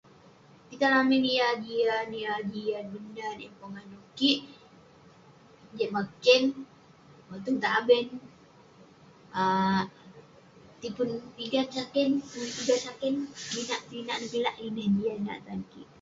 Kitang lamin yah jian- yah jian menat yah pongah nouk kik, jat maag kem, motem taben, ah tipun pigan saken, muik pigan saken, minak tong inak nah kolak. Ineh eh jian nat tan kik.